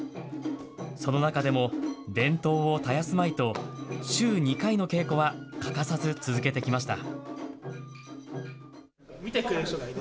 その中でも、伝統を絶やすまいと、週２回の稽古は欠かさず続けてきました。